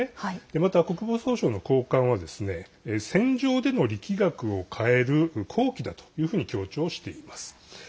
また国防総省の高官は戦場での力学を変える好機だというふうに強調しています。